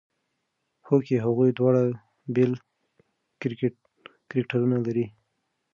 هوکې هغوی دواړه بېل کرکټرونه لري.